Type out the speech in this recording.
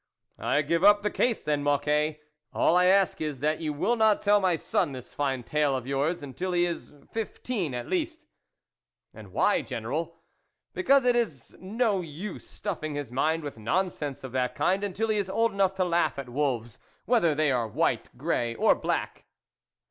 " I give up the case, then, Mocquet : all I ask is, that you will not tell my son this fine tale of yours, until he is fifteen at least." " And why, General ?"" Because it is no use stuffing his mind with nonsense of that kind, until he is old enough to laugh at wolves, whether they are white, grey or black."